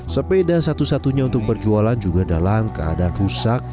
sepeda satu satunya untuk berjualan juga dalam keadaan rusak